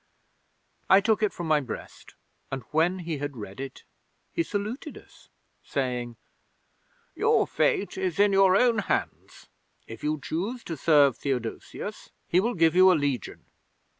'I took it from my breast, and when he had read it he saluted us, saying: "Your fate is in your own hands. If you choose to serve Theodosius, he will give you a Legion.